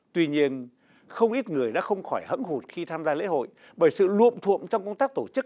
tuy nhiên không ít người đã không khỏi hẫn hụt khi tham gia lễ hội bởi sự luộm thuộm trong công tác tổ chức